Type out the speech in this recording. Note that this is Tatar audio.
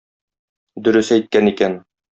Дөрес әйткән икән.